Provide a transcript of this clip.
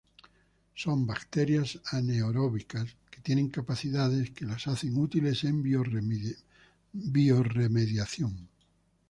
Son bacterias anaeróbicas que tienen capacidades que las hacen útiles en biorremediación.